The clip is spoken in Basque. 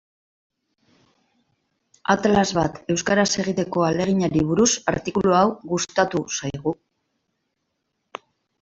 Atlas bat euskaraz egiteko ahaleginari buruz artikulu hau gustatu zaigu.